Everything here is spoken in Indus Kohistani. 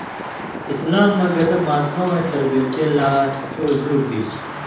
اسلام مہ گتہ ماسمہ وَیں تربیتی لا چو زُور دیچھی۔